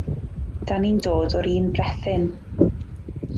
'Dan ni'n dod o'r un brethyn.